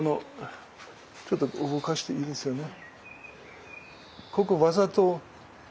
ちょっと動かしていいですよね。